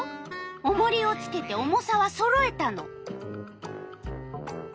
おもりをつけて重さはそろえたの。